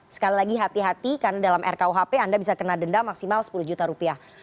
sekali lagi hati hati karena dalam rkuhp anda bisa kena denda maksimal sepuluh juta rupiah